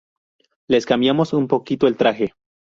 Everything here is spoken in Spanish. Les cambiamos un poquito el traje.